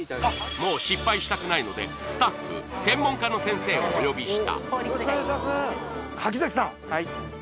もう失敗したくないのでスタッフが専門家の先生をお呼びした。